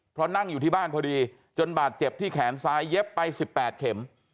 เพราะนั่งอยู่ที่บ้านพอดีจนบาดเจ็บที่แขนซ้ายเย็บไป๑๘เข็ม